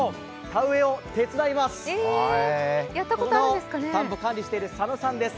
田んぼを管理している佐野さんです。